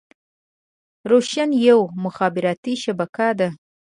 روشن يوه مخابراتي شبکه ده.